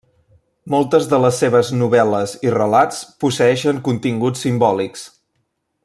Moltes de les seves novel·les i relats posseeixen continguts simbòlics.